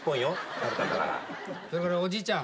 それからおじいちゃん。